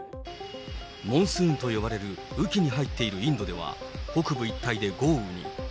モンスーンと呼ばれる雨期に入っているインドでは、北部一帯で豪雨に。